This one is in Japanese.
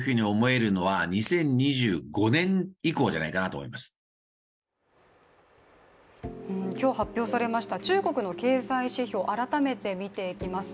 今後の見通しは今日発表されました中国の経済指標改めて見ていきます。